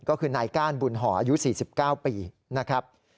ก็คือนายก้านบุญห่ออายุ๔๙ปีนะครับ